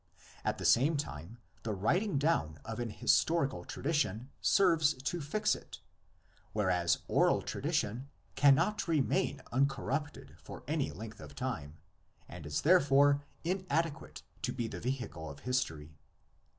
At the same time the writing down of an historical tradition serves to fix it, whereas oral tradition cannot remain uncorrupted for any length of time and is therefore inadequate to be the vehicle of history.